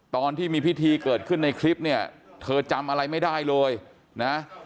ตอนที่มีพิธีเกิดขึ้นในคลิปเนี่ยเธอจำอะไรไม่ได้เลยนะ